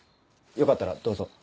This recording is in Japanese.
よかったらどうぞ。